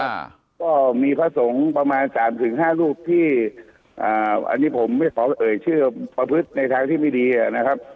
อ่าก็มีพระสงฆ์ประมาณสามถึงห้ารูปที่อ่าอันนี้ผมไม่ขอเอ่ยชื่อประพฤติในทางที่ไม่ดีอ่ะนะครับ